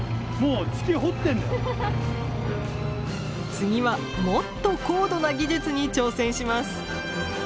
次はもっと高度な技術に挑戦します。